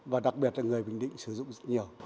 và đặc biệt là người bình định sử dụng rất nhiều